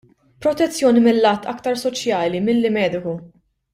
Protezzjoni mil-lat aktar soċjali milli mediku.